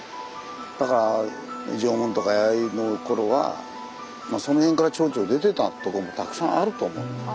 だから縄文とか弥生の頃はその辺からチョロチョロ出てたとこもたくさんあると思う。